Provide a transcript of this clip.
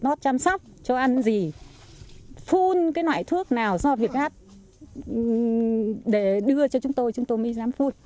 nó chăm sóc cho ăn gì phun cái loại thuốc nào do việt gáp để đưa cho chúng tôi chúng tôi mới dám phun